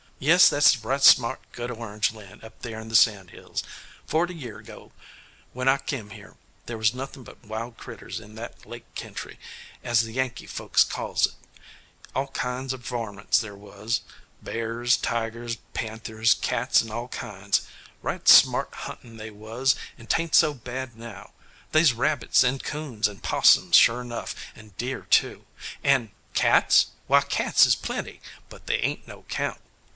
"Yes, that's right smart good orange land up there in the sandhills. Forty year ago, when I kim yere, they was nothin' but wild critters in that lake kentry, as the Yankee folks calls it: all kind o' varmints they was bears, tigers, panthers, cats and all kinds. Right smart huntin' they was, and 'tain't so bad now. They's rabbits and 'coons and 'possums, sure enough, and deer too; and Cats? Why, cats is plenty, but they ain't no 'count.